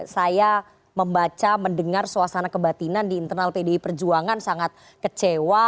saya membaca mendengar suasana kebatinan di internal pdi perjuangan sangat kecewa